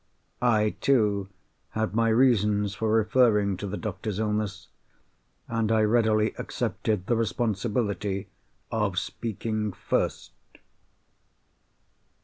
I, too, had my reasons for referring to the doctor's illness: and I readily accepted the responsibility of speaking first.